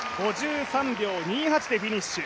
５３秒２８でフィニッシュ。